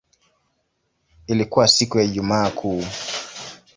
Ilikuwa siku ya Ijumaa Kuu.